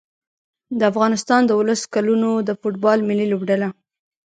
د افغانستان د اولس کلونو د فوټبال ملي لوبډله